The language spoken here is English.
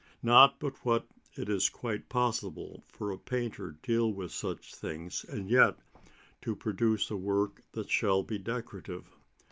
Not but what it is quite possible for a painter to deal with such things and yet to produce a work that shall be decorative.